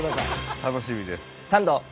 楽しみです。